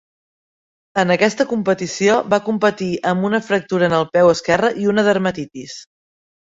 En aquesta competició va competir amb una fractura en el peu esquerre i una dermatitis.